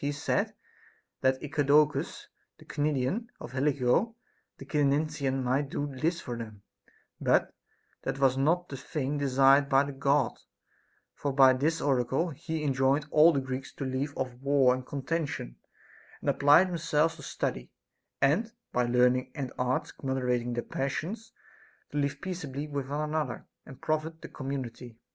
He said that Eudoxus the Cnidian or Helico the Cyzicenian might do this for them ; but that was not the thing desired by the God ; for by this oracle he enjoined all the Greeks to leave off war and contention, and apply themselves to study, and, by learning and arts moderating the passions, to live peaceably with one another, and profit the com munity.